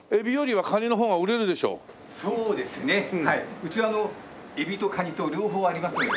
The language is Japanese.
うちはエビとカニと両方ありますので。